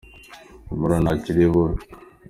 Humura ntacyo uri bube.